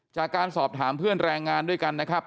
จากการสอบถามเพื่อนแรงงานด้วยกันนะครับ